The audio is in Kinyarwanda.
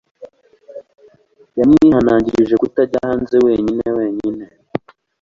Yamwihanangirije kutajya hanze wenyine wenyine.